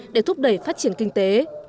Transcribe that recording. để thúc đẩy phát triển kinh tế